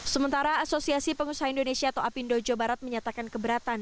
sementara asosiasi pengusaha indonesia atau apindo jawa barat menyatakan keberatan